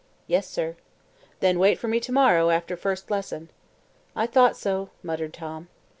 "Yes, sir." "Then wait for me to morrow, after first lesson." "I thought so," muttered Tom.